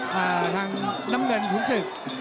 ทางน้ำเงินขุนศึก